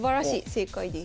正解です。